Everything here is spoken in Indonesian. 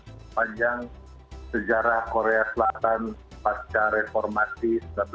sepanjang sejarah korea selatan pasca reformasi seribu sembilan ratus sembilan puluh